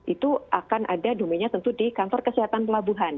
itu akan ada domainnya tentu di kantor kesehatan pelabuhan